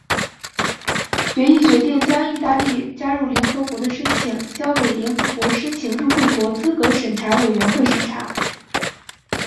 决议决定将意大利加入联合国的申请交给联合国申请入会国资格审查委员会审查。